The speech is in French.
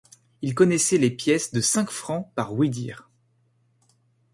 Il connaissait les pièces de cinq francs par ouï-dire.